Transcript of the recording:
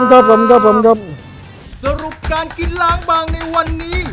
ครับผมครับผมครับสรุปการกินล้างบางในวันนี้